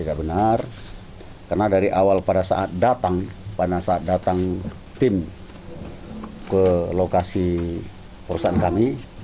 karena dari awal pada saat datang tim ke lokasi perusahaan kami